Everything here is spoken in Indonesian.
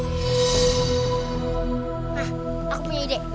hah aku punya ide